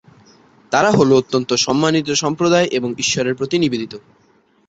তারা হল অত্যন্ত সম্মানিত সম্প্রদায় এবং ঈশ্বরের প্রতি নিবেদিত।